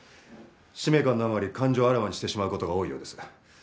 使命感のあまり感情をあらわにしてしまう事が多いようです。